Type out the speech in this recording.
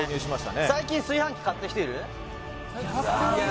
最近炊飯器買った人いる？